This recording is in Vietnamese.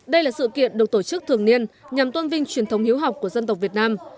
đây là sự kiện được tổ chức thường niên nhằm tôn vinh truyền thống hiếu học của dân tộc việt nam